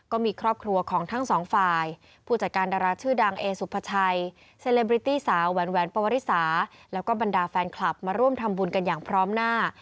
ก็มีครอบครัวของทั้งสองฝ่ายผู้จัดการดาราชื่อดังเอสุภาชัยเซเลบริตี้สาวแหวนปวริสาแล้วก็บรรดาแฟนคลับมาร่วมทำบุญกันอย่างพร้อมหน้า